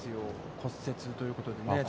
骨折ということでね。